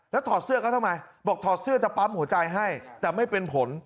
แล้วถอดเสื้อเขาทำไมบอกถอดเสื้อจะปั๊มหัวใจให้แต่ไม่เป็นผล